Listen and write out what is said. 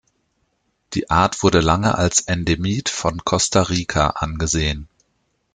Die Art wurde lange als Endemit von Costa Rica angesehen.